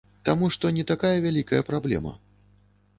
Таму што не такая вялікая праблема.